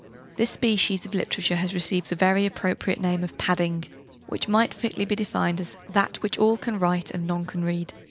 This species of literature has received the very appropriate name of 'padding' which might fitly be defined as 'that which all can write and none can read.'